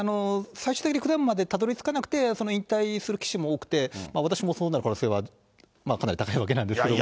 最終的に九段までたどりつかなくて、引退する棋士も多くて、私もそうなる可能性はかなり高いわけなんですけども。